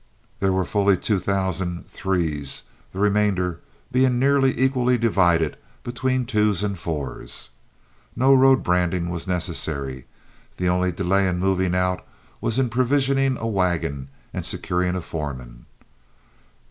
There were fully two thousand threes, the remainder being nearly equally divided between twos and fours. No road branding was necessary; the only delay in moving out was in provisioning a wagon and securing a foreman.